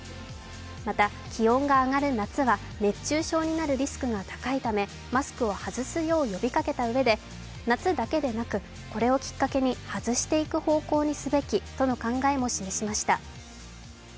また、気温が上がる夏は熱中症になるリスクが高いためマスクを外すよう呼びかけたうえで夏だけでなくこれをきっかけに外していく方向にすべきとの考えを示しました。